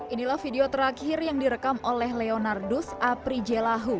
inilah video terakhir yang direkam oleh leonardus apri jelahu